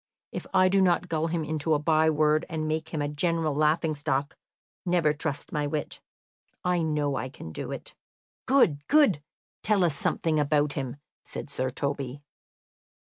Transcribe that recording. If I do not gull him into a by word and make him a general laughing stock, never trust my wit. I know I can do it." "Good, good! Tell us something about him," said Sir Toby.